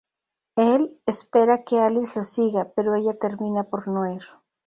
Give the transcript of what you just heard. Él espera que Alice lo siga, pero ella termina por no ir.